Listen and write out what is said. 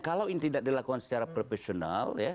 kalau ini tidak dilakukan secara profesional